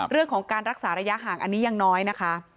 เรื่องของการรักษาระยะห่างอันนี้ยังน้อยนะคะ